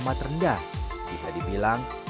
mereka menunjukkan bahwa menyeluruh negara